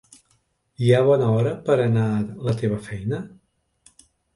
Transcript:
Hi ha bona hora per anar a la teva feina?